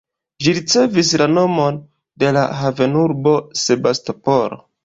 Ĝi ricevis la nomon de la havenurbo Sebastopolo.